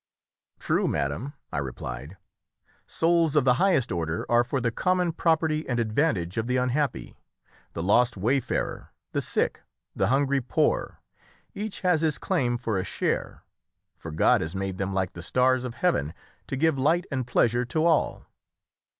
"True, madam," I replied; "souls of the highest order are for the common property and advantage of the unhappy the lost wayfarer, the sick, the hungry poor each has his claim for a share, for God has made them like the stars of heaven to give light and pleasure to all."